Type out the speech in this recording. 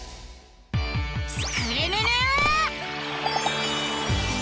スクるるる！